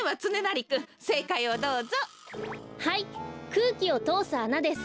くうきをとおすあなです。